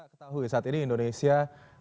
ketahui saat ini indonesia